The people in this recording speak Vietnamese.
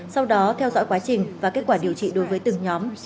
sau đó theo dõi quá trình và kết quả điều trị đối với từng nhóm